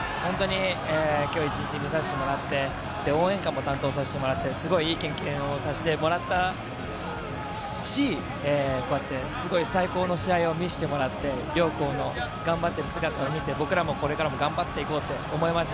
今日１日見させてもらって、応援歌も担当させてもらって、すごくいい経験をさせてもらったし、すごい最高の試合を見せてもらって、両校の頑張っている姿を見て、僕らもこれから頑張っていこうと思いました。